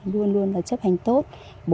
luôn luôn là chấp hành tốt